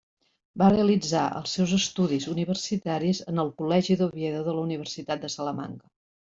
Va realitzar els seus estudis universitaris en el Col·legi d'Oviedo de la Universitat de Salamanca.